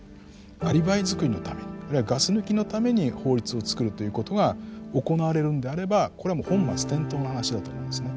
アリバイ作りのためにあるいはガス抜きのために法律を作るということが行われるんであればこれもう本末転倒な話だと思うんですね。